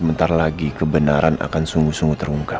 bentar lagi kebenaran akan sungguh sungguh terungkap